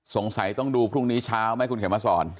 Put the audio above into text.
สงสัยต้องดูพรุ่งนี้เช้าไหมคุณเขียนมาสอน